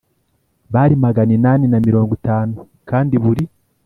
bari magana inani na mirongo itanu kandi buri